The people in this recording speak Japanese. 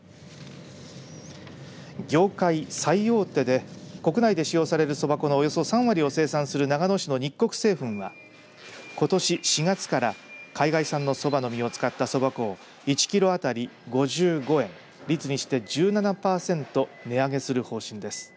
業界最大手で国内で使用されるそば粉のおよそ３割を生産する長野市の日穀製粉はことし４月から海外産のそばの実を使ったそば粉を１キロ当たり５５円率にして１７パーセント値上げする方針です。